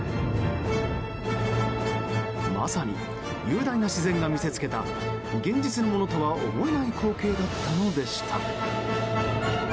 まさに雄大な自然が見せつけた現実のものとは思えない光景だったのでした。